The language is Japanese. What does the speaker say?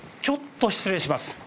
ちょっと失礼します。